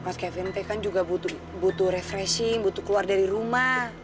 mas kevin teh kan juga butuh butuh refreshing butuh keluar dari rumah